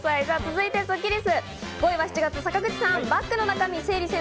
続いてはスッキりす。